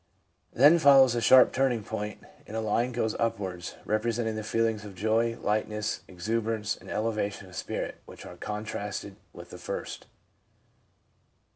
Then follows a sharp turning point, and a line going upwards, representing the feelings of joy, lightness, exuberance and elevation of spirit, which are contrasted with the first.